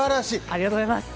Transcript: ありがとうございます。